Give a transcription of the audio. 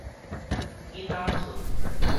囡仔齣